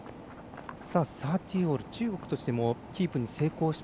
３０−３０、中国としてもキープに成功した